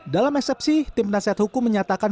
dalam eksepsi tim nasihat hukum menyatakan